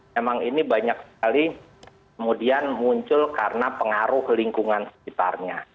memang ini banyak sekali kemudian muncul karena pengaruh lingkungan sekitarnya